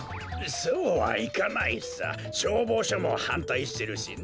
そうはいかないさしょうぼうしょもはんたいしてるしね。